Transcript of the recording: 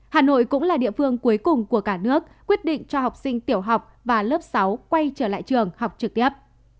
hà nội cũng là địa phương cuối cùng của cả nước quyết định cho học sinh tiểu học và lớp sáu quay trở lại trường học trực tiếp